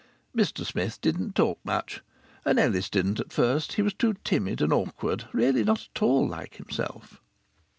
Mr Smith didn't talk much. And Ellis didn't at first he was too timid and awkward really not at all like himself.